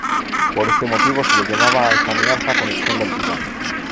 Por este motivo, se le llamaba a esta alianza "conexión vertical".